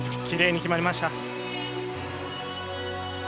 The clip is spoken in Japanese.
きれいに決まりました。